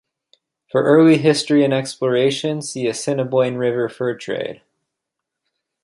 For early history and exploration see Assiniboine River fur trade.